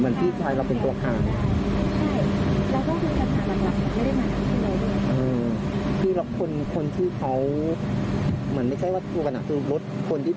โดยโดยเห็นตัวแล้วพี่ชายไม่ได้ให้เรารับรู้อะไร